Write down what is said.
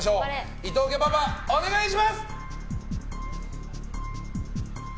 伊藤家パパお願いします。